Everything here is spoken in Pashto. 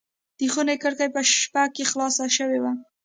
د خونې کړکۍ په شپه کې خلاصه شوې وه.